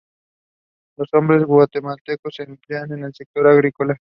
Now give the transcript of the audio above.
Los hombres guatemaltecos se emplean en el sector agrícola.